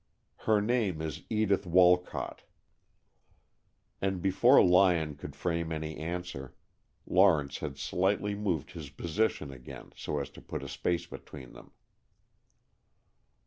Her name is Edith Wolcott." And before Lyon could frame any answer, Lawrence had slightly moved his position again, so as to put a space between them.